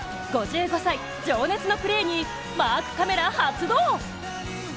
５５歳、情熱のプレーにマークカメラ発動。